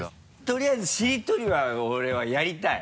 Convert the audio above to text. とりあえずしりとりは俺はやりたい。